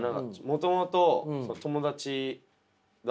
もともと友達。